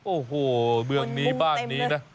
โอ้โหเมืองนี้บ้านนี้นะ